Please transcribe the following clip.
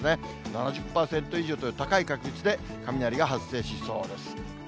７０％以上という高い確率で雷が発生しそうです。